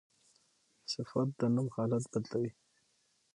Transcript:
صفت د نوم حالت بدلوي.